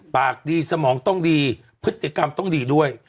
ปากดีสมองต้องดีพฤติกรรมต้องดีด้วย